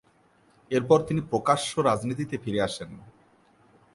এরপর তিনি প্রকাশ্য রাজনীতিতে ফিরে আসেন।